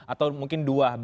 atau mungkin dua